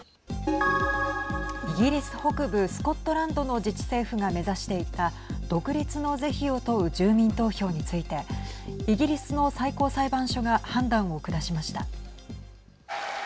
イギリス北部スコットランドの自治政府が目指していた独立の是非を問う住民投票についてイギリスの最高裁判所が判断を下しました。